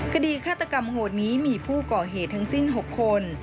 คดีฆาตกรรมโหดนี้มีผู้ก่อเหตุทั้งสิ้น๖คน